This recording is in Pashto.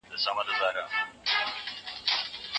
پښتون لا وږی غم ته تنها دی